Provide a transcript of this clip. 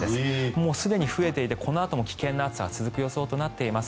もうすでに増えていてこのあとも危険な暑さが続く予想となっています。